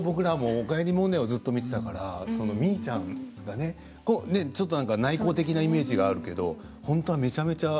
「おかえりモネ」をずっと見ていたからみーちゃんが内向的なイメージがあるけれど本当はめちゃめちゃ？